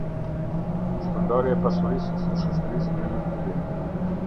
Shpërndarja e pasurisë së shoqërisë në likuidim.